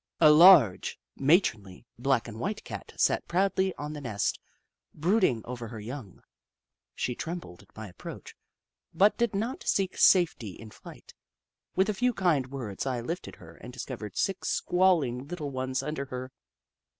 A large, matronly, black and white Cat sat proudly on the nest, brooding over her young. She trembled at my approach, but did not seek safety in flight. With a few kind words I lifted her, and discovered six squalling little ones under her.